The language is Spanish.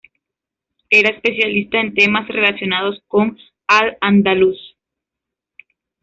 Era especialista en temas relacionados con Al-Ándalus.